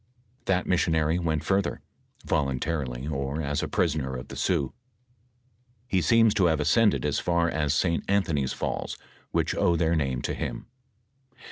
That missionary went further ; voluntarily or as a prisoner of tbe Sioux, he seems to have ascended as far as St. Anthony's falls, which owe their name to him.